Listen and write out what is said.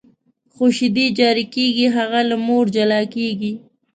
خو شیدې جاري کېږي، هغه له مور جلا کېږي.